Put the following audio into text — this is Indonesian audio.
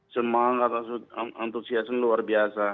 semangat antusiasme luar biasa